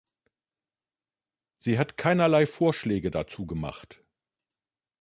Sie hat keinerlei Vorschläge dazu gemacht.